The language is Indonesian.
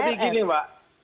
jadi gini mbak